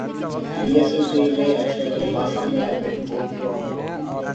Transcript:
پی S L three میں اچھے بلے باز سامنے ائے بیٹنگ کوچ گرانٹ فلاور